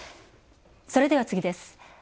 それでは次です。